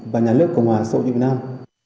và nhà nước cộng hòa xã hội việt nam